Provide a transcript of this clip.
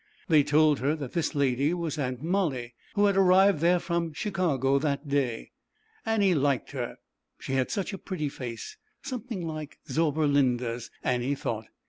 They told her that this lady was Aunt Molly, who had arrived there from Chicago that day. Annie liked her, she had such a pretty face; something like Zauberlinda's, Annie thought.